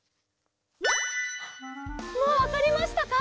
もうわかりましたか？